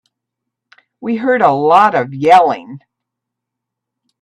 We heard a lot of yelling.